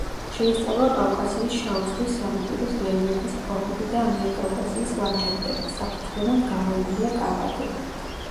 შეისწავლა კავკასიის შავი ზღვის სანაპიროს რელიეფის ფორმები და ამიერკავკასიის ლანდშაფტები; საფუძვლიანად გამოიკვლია კარპატები.